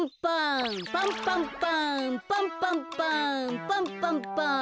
パンパンパンパンパンパンパンパンパン。